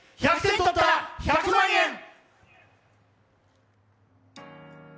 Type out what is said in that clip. １００点とったら１００万円！